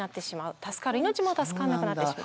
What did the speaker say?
助かる命も助からなくなってしまう。